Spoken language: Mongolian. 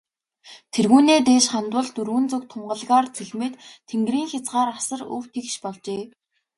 Тэргүүнээ дээш хандвал, дөрвөн зүг тунгалгаар цэлмээд, тэнгэрийн хязгаар асар өв тэгш болжээ.